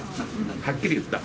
はっきり言った。